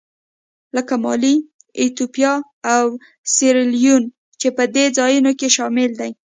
لکه مالي، ایتوپیا او سیریلیون چې په دې ځایونو کې شامل دي.